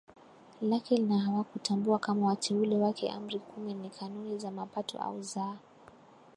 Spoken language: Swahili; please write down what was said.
lake na hatawatambua kama wateule wake Amri kumi ni Kanuni za Mapatano au za